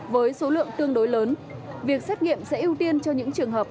với số lượng tương đối lớn việc xét nghiệm sẽ ưu tiên cho những trường hợp